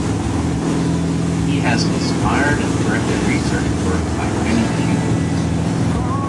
He has inspired and directed research work by many pupils.